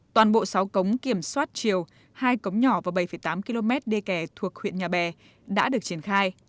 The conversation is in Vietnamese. toàn bộ sáu cống kiểm soát chiều hai cống nhỏ và bảy tám km đê kè thuộc huyện nhà bè đã được triển khai